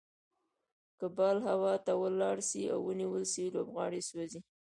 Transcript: که بال هوا ته ولاړ سي او ونيول سي؛ لوبغاړی سوځي.